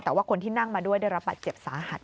แต่ว่าคนที่นั่งมาด้วยได้รับบาดเจ็บสาหัส